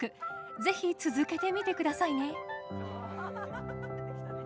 是非続けてみてくださいね。